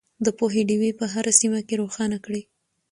د پوهې ډیوې په هره سیمه کې روښانه کړئ.